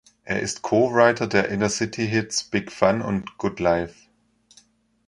Er ist Co-Writer der Inner City-Hits "Big Fun" und "Good Life".